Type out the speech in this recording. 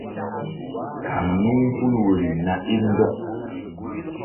Kan mí hul woyri na ɓil ndɔk.